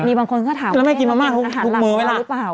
มีบางคนก็ถามว่าแม่กินมาม่าทุกเมล์แล้วหรือเปล่า